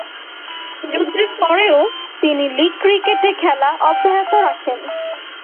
যুদ্ধের পরও তিনি লীগ ক্রিকেটে খেলা অব্যাহত রাখেন।